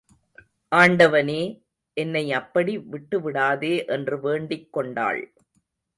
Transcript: ஆண்டவனே, என்னை அப்படி விட்டுவிடாதே என்று வேண்டிக் கொண்டாள்.